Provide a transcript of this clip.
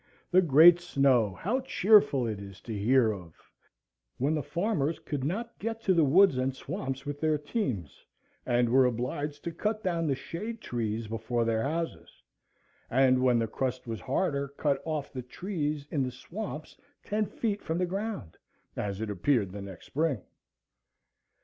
The Great Snow! How cheerful it is to hear of! When the farmers could not get to the woods and swamps with their teams, and were obliged to cut down the shade trees before their houses, and when the crust was harder, cut off the trees in the swamps, ten feet from the ground, as it appeared the next spring.